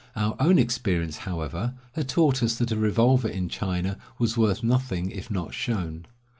Our own experience, however, had taught us that a revolver in China was worth nothing if not shown.